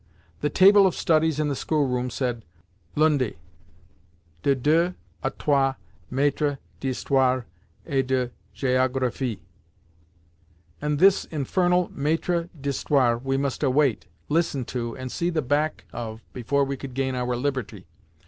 The table of studies in the schoolroom said, "Lundi, de 2 à 3, maître d'Histoire et de Geographie," and this infernal maître d'Histoire we must await, listen to, and see the back of before we could gain our liberty.